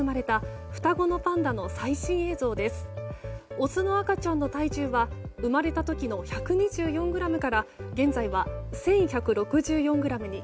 オスの赤ちゃんの体重は生まれた時の１２４ｇから現在、１１６４ｇに。